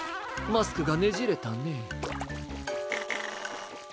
マスクがねじれたね。